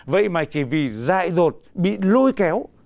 vậy mà chỉ vì dại rột bị lôi kéo